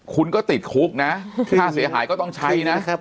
คุณก็ติดคุกนะค่าเสียหายก็ต้องใช้นะ